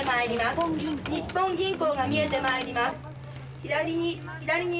にっぽん銀行が見えてまいります。